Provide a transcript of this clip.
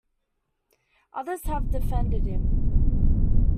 Others have defended him.